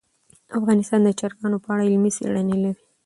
افغانستان د چرګانو په اړه علمي څېړني لري.